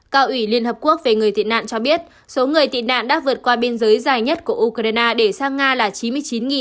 cao ủy liên hợp quốc về người tị nạn cho biết số người tị nạn đã vượt qua biên giới dài nhất của ukraine để sang nga là chín mươi chín người